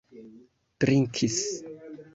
drinkis